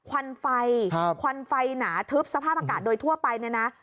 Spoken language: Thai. ควันไฟควันไฟหนาทึบสภาพอากาศโดยทั่วไปเนี่ยนะ